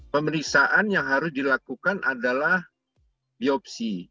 pemeriksaan yang harus dilakukan adalah biopsi